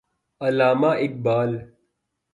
Allama Iqbal